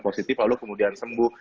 positif lalu kemudian sembuh